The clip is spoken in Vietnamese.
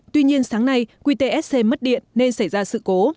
tuy nhiên sáng nay qtsc mất điện nên xảy ra sự cố